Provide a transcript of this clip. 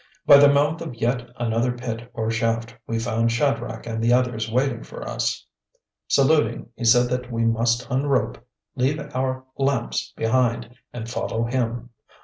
By the mouth of yet another pit or shaft, we found Shadrach and the others waiting for us. Saluting, he said that we must unrope, leave our lamps behind, and follow him.